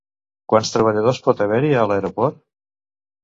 Quants treballadors pot haver-hi a l'aeroport?